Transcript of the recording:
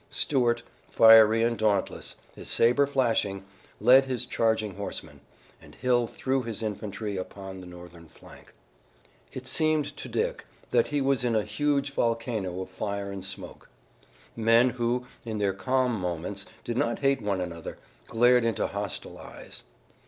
Stuart, fiery and dauntless, his saber flashing, led his charging horsemen, and Hill threw his infantry upon the Northern flank. It seemed to Dick that he was in a huge volcano of fire and smoke. Men who, in their calm moments, did not hate one another, glared into hostile eyes.